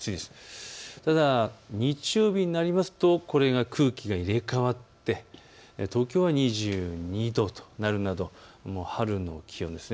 日曜日になりますと空気が入れ代わって、東京は２２度となるなど春の気温です。